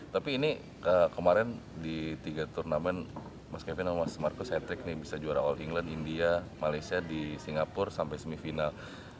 tapi ini kemarin di tiga turnamen mas kevin sama mas marcus hat trick nih bisa juara all england india malaysia di singapura sampai semifinal